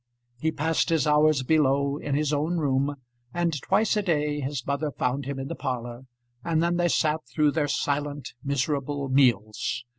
He passed his hours below, in his own room, and twice a day his mother found him in the parlour, and then they sat through their silent, miserable meals.